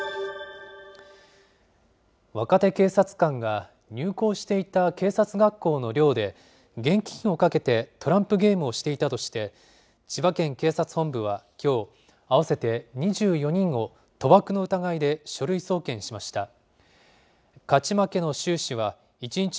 若手警察官が入校していた警察学校の寮で、現金を賭けて、トランプゲームをしていたとして、千葉県警察本部はきょう、合わせて２４人を賭博の疑いで書類送検しました。